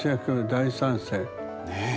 ねえ！